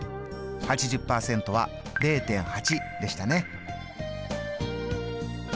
８０％は０．８でしたね。